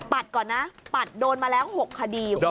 ก่อนนะปัดโดนมาแล้ว๖คดี